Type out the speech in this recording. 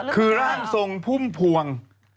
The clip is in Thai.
คือร่างทรงพุ่มพวง